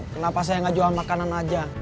kenapa saya nggak jual makanan aja